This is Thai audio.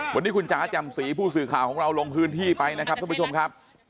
วันนี้คุณจ๋าจำศรีผู้สื่อข่าวของเราลงพื้นที่ไปนะครับท่านผู้ชมครับ